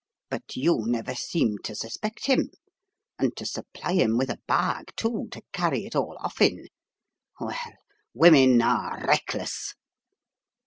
But you never seemed to suspect him. And to supply him with a bag, too, to carry it all off in! Well, women are reckless!